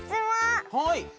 はい。